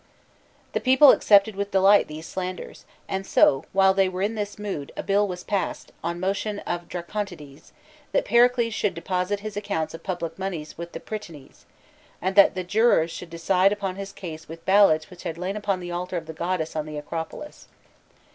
The people accepted with delight these slanders, and so, while they were in this mood, a bill was passed, on motion of Dracontides, that Pericles should deposit his accounts of public moneys with the prytanes, and that the jurors should decide upon his case with ballots which had lain upon the altar of the goddess on the acropolis.